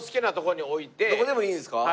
どこでもいいんですか？